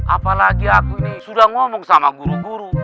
apalagi aku ini sudah ngomong sama guru guru